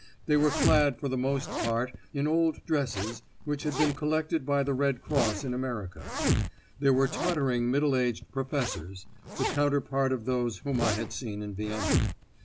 They were clad for the most part in old dresses which had been collected by the Red Cross in America. There were tottering middle aged professors, the counterpart of those whom I had seen in Vienna.